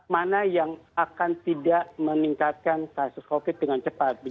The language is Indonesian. mana yang akan tidak meningkatkan kasus covid dengan cepat